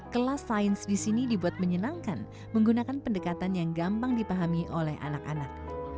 kelas sains di sini dibuat menyenangkan menggunakan pendekatan yang gampang dipahami oleh anak anak